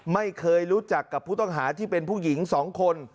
ไม่เคยรู้จักกับผู้ต้องหาที่เป็นผู้หญิง๒คน